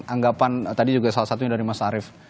anggapan tadi juga salah satunya dari mas arief